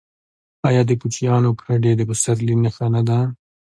آیا د کوچیانو کډې د پسرلي نښه نه ده؟